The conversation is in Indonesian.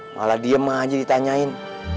malah diem aja ditanyain